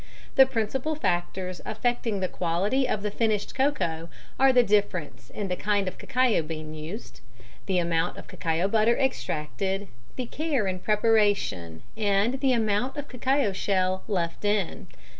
The principal factors affecting the quality of the finished cocoa are the difference in the kind of cacao bean used, the amount of cacao butter extracted, the care in preparation, and the amount of cacao shell left in.